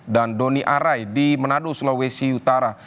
dan doni arai di manado sulawesi utara